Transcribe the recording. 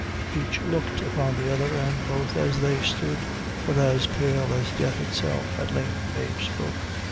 Each looked upon the other, and both as they stood were as pale as death itself. At length Mave spoke.